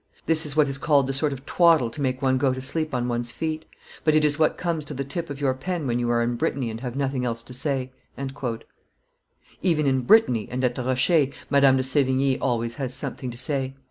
This is what is called the sort of twaddle to make one go to sleep on one's feet; but it is what comes to the tip of your pen when you are in Brittany and have nothing else to say." Even in Brittany and at the Rochers, Madame de Sevigne always has something to say.